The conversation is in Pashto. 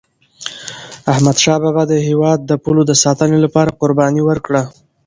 احمدشاه بابا د هیواد د پولو د ساتني لپاره قرباني ورکړه.